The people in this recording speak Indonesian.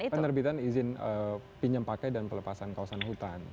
karena penerbitan izin pinjam pakai dan pelepasan kawasan hutan